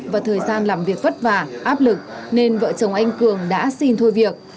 và thời gian làm việc vất vả áp lực nên vợ chồng anh cường đã xin thôi việc